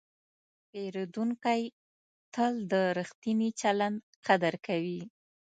پیرودونکی تل د ریښتیني چلند قدر کوي.